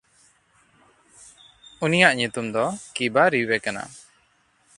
ᱩᱱᱤᱭᱟᱜ ᱧᱩᱛᱩᱢ ᱫᱚ ᱠᱤᱵᱟᱨᱤᱭᱮ ᱠᱟᱱᱟ᱾